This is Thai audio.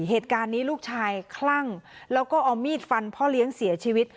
เหตุการณ์นี้ลูกชายคลั่งแล้วก็เอามีดฟันพ่อเลี้ยงเสียชีวิต